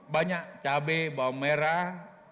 banyak cabai bawang merah